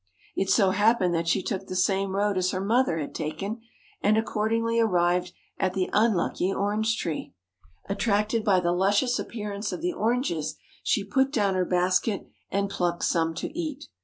It so happened that she took the THE same road as her mother had taken, and accord YELLOW ingly arrived at the unlucky orange tree. Attracted by the luscious appearance of the oranges, she put down her basket and plucked some to eat.